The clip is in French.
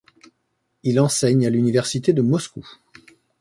Il enseigne à l'Université de Moscou.